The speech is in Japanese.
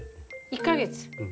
１か月？